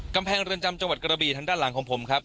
กำแพงเรือนจำจังหวัดกระบีทางด้านหลังของผมครับ